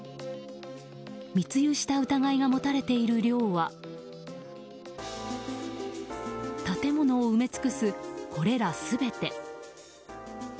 密輸した疑いが持たれている量は建物を埋め尽くす、これら全て。